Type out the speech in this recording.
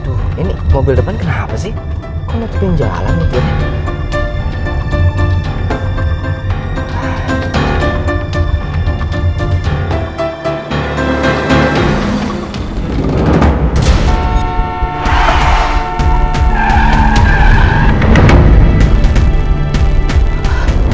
aduh ini mobil depan kenapa sih kalau penjalan gitu ya